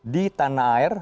di tanah air